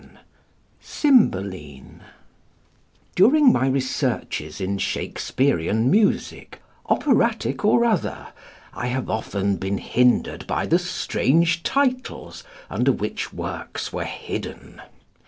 CYMBELINE During my researches in Shakespearian music, operatic or other, I have been often hindered by the strange titles under which works were hidden.